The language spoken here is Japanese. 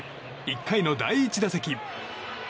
１回の第１打席。